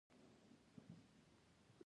کلي د افغانستان په ستراتیژیک اهمیت کې دي.